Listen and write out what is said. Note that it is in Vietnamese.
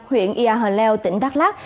huyện yà hờ leo tỉnh đắk lát